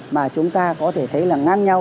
mà chúng ta có thể thấy là ngang nhau